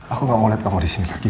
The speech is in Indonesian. aku gak mau liat kamu disini lagi